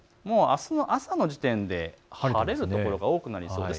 朝の時点で晴れる所が多くなりそうです。